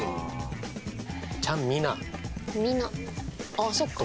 あっそっか。